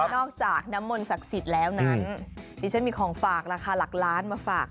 นอกจากน้ำมนต์ศักดิ์สิทธิ์แล้วนั้นดิฉันมีของฝากราคาหลักล้านมาฝาก